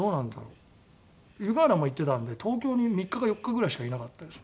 湯河原も行ってたんで東京に３日か４日ぐらいしかいなかったんですよ。